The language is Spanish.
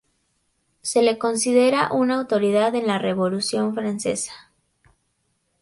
Se le considera una autoridad en la Revolución francesa.